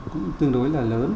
cũng tương đối là lớn